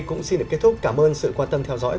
cũng xin được kết thúc cảm ơn sự quan tâm theo dõi